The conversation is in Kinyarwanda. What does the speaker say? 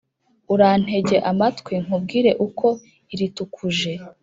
urantege amatwi nkubwire uko iritukuje